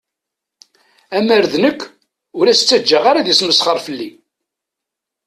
Amer d nekk, ur as-ttaǧǧaɣ ara ad yesmesxer fell-i.